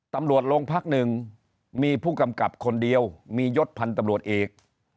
ตำรวจโรงพักหนึ่งมีผู้กำกับคนเดียวมียศพันธ์ตำรวจเอก